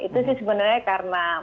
itu sih sebenarnya karena